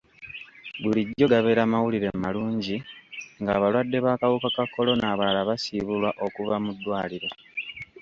Bulijjo gabeera mawulire malungi ng'abalwadde b'akawuka ka kolona abalala basiibulwa okuva mu ddwaliro.